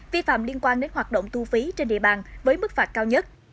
vi phạm liên quan đến hoạt động thu phí trên địa bàn với mức phạt cao nhất